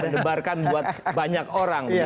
mendebarkan buat banyak orang